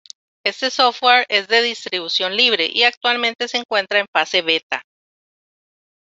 Este software es de distribución libre y actualmente se encuentra en fase beta.